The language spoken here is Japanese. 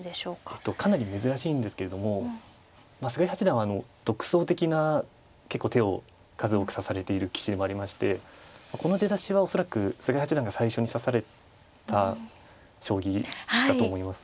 かなり珍しいんですけれども菅井八段は独創的な結構手を数多く指されている棋士でもありましてこの出だしは恐らく菅井八段が最初に指された将棋だと思います。